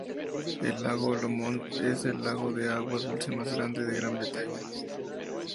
El lago Lomond es el lago de agua dulce más grande de Gran Bretaña.